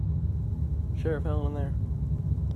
Is Sheriff Helen in there?